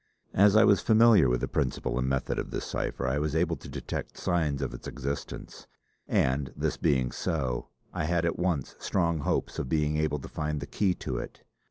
As I was familiar with the principle and method of this cipher I was able to detect signs of its existence; and this being so, I had at once strong hopes of being able to find the key to it.